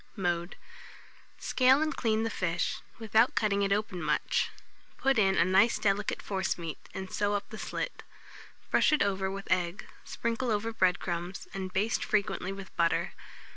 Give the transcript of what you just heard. Mode. Scale and clean the fish, without cutting it open much; put in a nice delicate forcemeat, and sew up the slit. Brush it over with egg, sprinkle over bread crumbs, and baste frequently with butter.